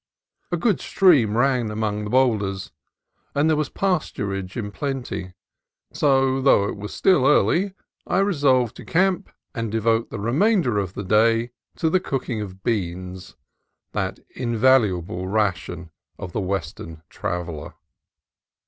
A good stream ran among the boulders, and there was pasturage in plenty: so though it was still early I resolved to camp and de vote the remainder of the day to the cooking of beans, that invaluable ration of the Western trav eller.